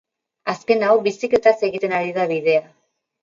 Azken hau bizikletaz egiten ari da bidea.